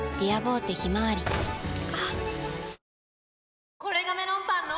え．．．これがメロンパンの！